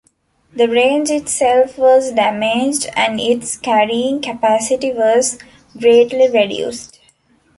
The range itself was damaged, and its carrying capacity was greatly reduced.